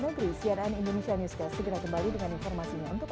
terima kasih mbak elvira